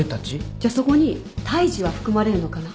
じゃあそこに胎児は含まれるのかな？